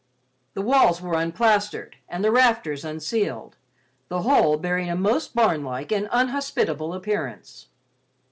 The walls were unplastered and the rafters unceiled; the whole bearing a most barnlike and unhospitable appearance.